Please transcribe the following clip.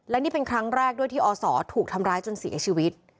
และนี่เป็นครั้งแรกด้วยที่อศถูกทำร้ายจนเสียชีวิต